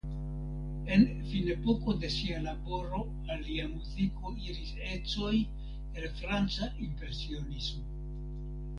En finepoko de sia laboro al lia muziko iris ecoj el franca impresionismo.